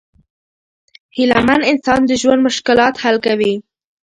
هیله مند انسان د ژوند مشکلات حل کوي.